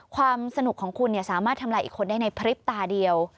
ความสนุกของคุณสามารถทำลายอีกคนได้ในพริบตาเดียว